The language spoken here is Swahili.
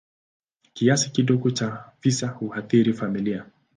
Kiasi kidogo cha visa huathiri familia.